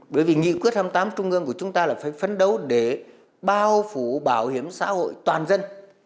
bởi vì nghị quyết hai mươi tám trung ương của chúng ta là phải phấn đấu để bao phủ bảo hiểm xã hội toàn dân